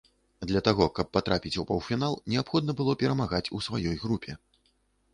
Для таго, каб патрапіць у паўфінал неабходна было перамагаць у сваёй групе.